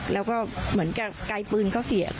แล้วก็เหมือนกับไกลปืนเขาเสีย